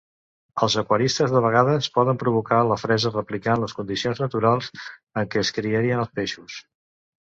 Els aquaristes de vegades poden provocar la fresa replicant les condicions naturals en què es criarien els peixos.